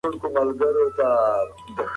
ټولنيز علوم د انساني رفتار اړخونه څېړي.